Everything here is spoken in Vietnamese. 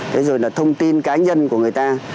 thế rồi là thông tin cá nhân của người ta